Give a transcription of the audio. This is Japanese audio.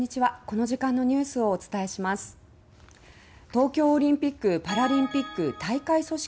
東京オリンピック・パラリンピック組織